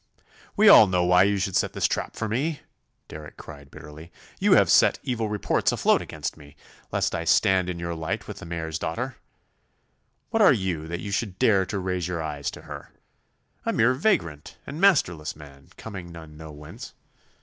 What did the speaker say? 'We all know why you should set this trap for me,' Derrick cried bitterly. 'You have set evil reports afloat against me, lest I stand in your light with the Mayor's daughter. What are you that you should dare to raise your eyes to her! A mere vagrant and masterless man, coming none know whence.